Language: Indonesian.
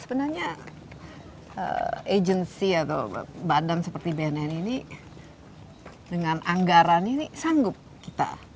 sebenarnya agency atau badan seperti bnn ini dengan anggaran ini sanggup kita